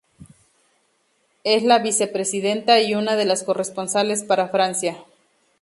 Es la vicepresidenta y una de las corresponsales para Francia.